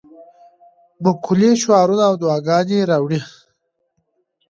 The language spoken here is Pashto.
مقولې شعارونه ادعاګانې راوړې.